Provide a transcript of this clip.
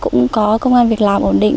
cũng có công an việc làm ổn định